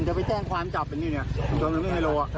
ไหนเค้าเป็นลูก